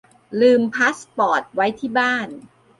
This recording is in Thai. ลืมพาสปอร์ตไว้บ้าน